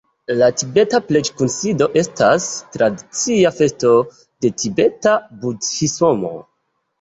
La tibeta preĝ-kunsido estas tradicia festo de tibeta budhismo.